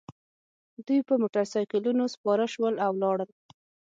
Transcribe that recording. دوی په موټرسایکلونو سپاره شول او لاړل